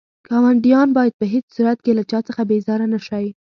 ګاونډيان بايد په هيڅ صورت له چا څخه بيزاره نه شئ.